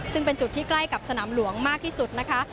ซึ่งเป็นจุดที่ใกล้กับสนามหลวงมากที่สุดนะคะ